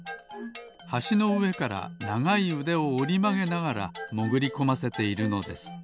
はしのうえからながいうでをおりまげながらもぐりこませているのです。